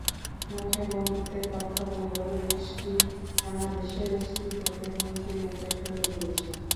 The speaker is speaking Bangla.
মুখে বন্ধুত্বের কথা বললেও দেশটি বাংলাদেশের অস্তিত্বকে হুমকির মুখে ঠেলে দিয়েছে।